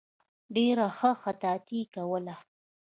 ډېره ښه خطاطي یې کوله.